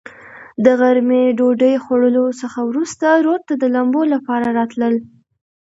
د غرمې ډوډوۍ خوړلو څخه ورورسته رود ته د لمبو لپاره راتلل.